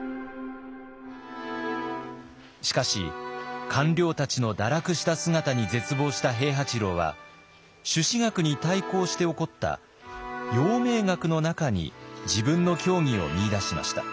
しかし官僚たちの堕落した姿に絶望した平八郎は朱子学に対抗して興った陽明学の中に自分の教義を見いだしました。